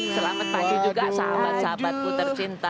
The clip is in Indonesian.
selamat pagi juga sahabat sahabatku tercinta